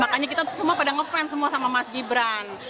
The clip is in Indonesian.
makanya kita semua pada ngefans sama mas gibran